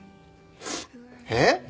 えっ？